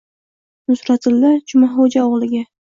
Nusratilla Jumaxoʼja oʼgʼliga